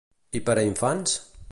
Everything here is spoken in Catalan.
I per a infants?